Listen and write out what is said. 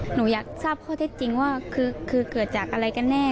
หนูอยากทราบข้อเท็จจริงว่าคือเกิดจากอะไรกันแน่